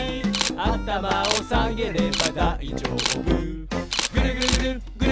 「あたまをさげればだいじょうぶ」「ぐるぐるぐるぐるぐるぐるぐーるぐる」